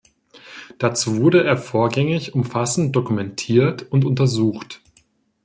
Dazu wurde er vorgängig umfassend dokumentiert und untersucht.